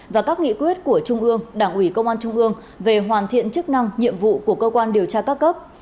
và các nghị quyết của trung ương đảng ủy công an trung ương về hoàn thiện chức năng nhiệm vụ của cơ quan điều tra các cấp